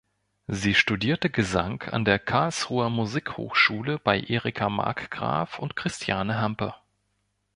Sie studierte Gesang an der Karlsruher Musikhochschule bei Erika Markgraf und Christiane Hampe.